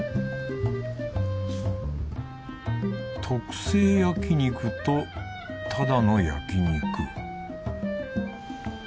特製焼肉とただの焼肉。